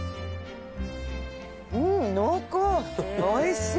おいしい。